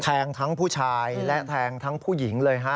แทงทั้งผู้ชายและแทงทั้งผู้หญิงเลยฮะ